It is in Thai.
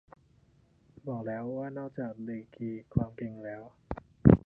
บอกเลยว่านอกจากดีกรีความเก่งแล้ว